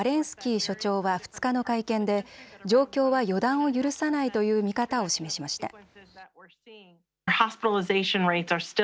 スキー所長は２日の会見で状況は予断を許さないという見方を示しました。